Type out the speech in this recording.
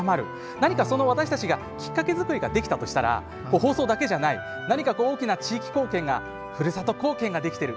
何かその私たちがきっかけ作りができたとしたら放送だけじゃない何か大きな地域貢献やふるさと貢献ができてる。